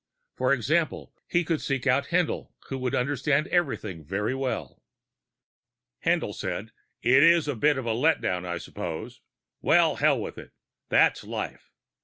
For example, he could seek out Haendl, who would understand everything very well. Haendl said: "It is a bit of a letdown, I suppose. Well, hell with it; that's life."